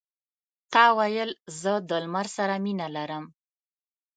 تا ویل زه د لمر سره مینه لرم.